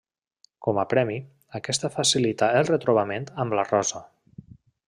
Com a premi, aquesta facilita el retrobament amb la Rosa.